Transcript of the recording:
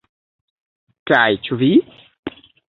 Kaj ĉu vi?